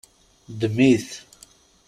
Ddem-it.